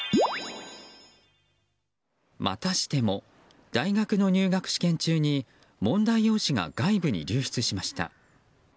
またしても大学の入学試験中に問題用紙が外部に流出しました。